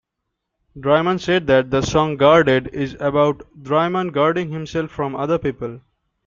Draiman said that the song "Guarded" is about Draiman guarding himself from other people.